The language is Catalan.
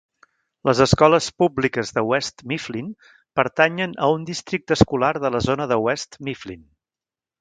Les escoles públiques de West Mifflin pertanyen a un districte escolar de la zona de West Mifflin.